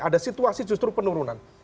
ada situasi justru penurunan